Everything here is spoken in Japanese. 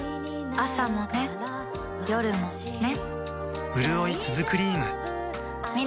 朝もね、夜もね